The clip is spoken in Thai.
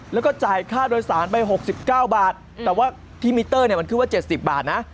แล้วก็จ่ายค่าโดยสารไปหกสิบเก้าบาทแต่ว่าที่มิเตอร์เนี่ยมันคือว่าเจ็ดสิบบาทนะ